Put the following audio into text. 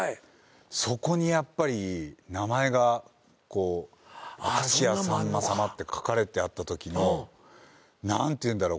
そこにやっぱり名前が「明石家さんまさま」って書かれてあったときの何ていうんだろう